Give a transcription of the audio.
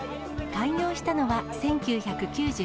開業したのは１９９９年。